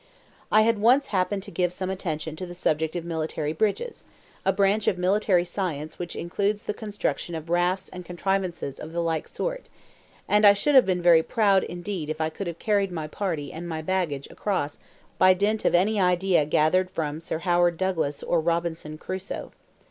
I had once happened to give some attention to the subject of military bridges—a branch of military science which includes the construction of rafts and contrivances of the like sort—and I should have been very proud indeed if I could have carried my party and my baggage across by dint of any idea gathered from Sir Howard Douglas or Robinson Crusoe.